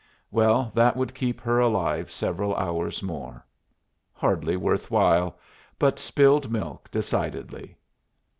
Well, that would keep her alive several hours more. Hardly worth while; but spilled milk decidedly.